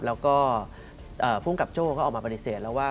แล้วก็พรุ่งกลับโจ้ก็ออกมาปฏิเสธ